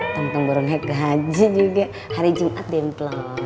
teng teng baru naik gaji juga hari jumat deh emplon